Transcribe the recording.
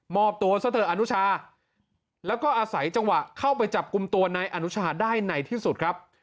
อบตัวซะเถอะอนุชาแล้วก็อาศัยจังหวะเข้าไปจับกลุ่มตัวนายอนุชาได้ในที่สุดครับ